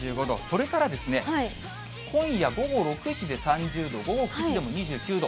それからですね、今夜午後６時で３０度、午後９時でも２９度。